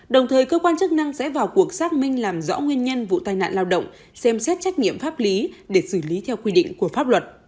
đồng thời cơ quan chức năng sẽ vào cuộc xác minh làm rõ nguyên nhân vụ tai nạn lao động xem xét trách nhiệm pháp lý để xử lý theo quy định của pháp luật